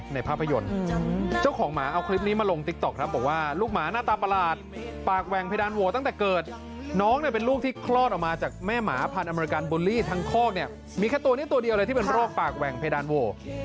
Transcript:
นิลลี่ทางคอกเนี่ยมีแค่ตัวนี้ตัวเดียวเลยที่เป็นโรคปากแหว่งพิดานโว